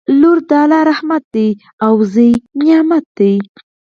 لور د الله رحمت دی او زوی نعمت دی